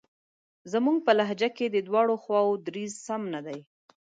زموږ په لهجه کې د دواړو خواوو دریځ سم نه دی.